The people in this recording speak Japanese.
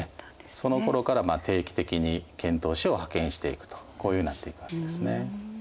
そのころから定期的に遣唐使を派遣していくとこういうふうになっていくわけですね。